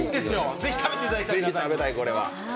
ぜひ食べていただきたい、皆さんに。